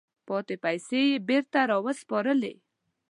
پاتې پیسې یې بیرته را وسپارلې.